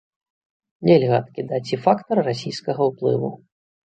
Нельга адкідаць і фактар расійскага ўплыву.